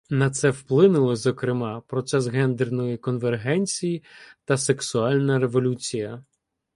На це вплинули, зокрема, процес гендерної конвергенції та сексуальна революція.